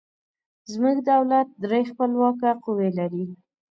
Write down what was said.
زموږ دولت درې خپلواکه قوې لري.